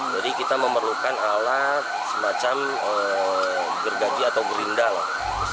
jadi kita memerlukan alat semacam gergaji atau gerinda lah